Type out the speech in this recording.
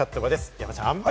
山ちゃん。